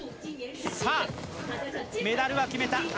さあ、メダルは決めた。